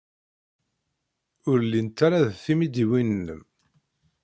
Ur llint ara d timidiwin-nnem?